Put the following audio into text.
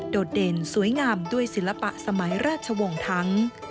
ดเด่นสวยงามด้วยศิลปะสมัยราชวงศ์ทั้ง